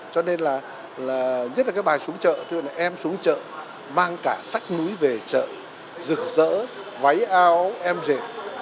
cho nên là nhất là cái bài xuống chợ em xuống chợ mang cả sắc núi về chợ rực rỡ váy áo em rể